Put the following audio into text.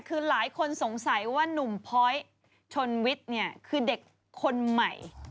คือหลายคนสงสัยว่านุ่มพ้อยชนวิทย์เนี่ยคือเด็กคนใหม่